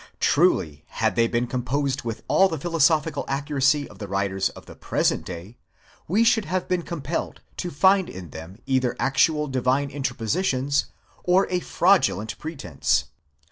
Truly, had they been composed with all the philosophical accuracy of the writers of the present day, we should have been compelled to find in them either actual divine interpositions, or a fraudulent pretence.